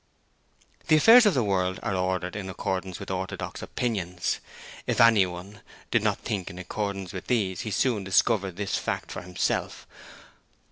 The affairs of the world are ordered in accordance with orthodox opinions. If anyone did not think in accordance with these he soon discovered this fact for himself.